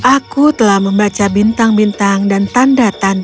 aku telah membaca bintang bintang dan tanda tanda